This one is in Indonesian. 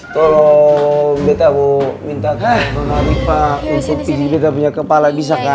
tolong betta mau minta nona riva untuk pijin betta punya kepala bisa kah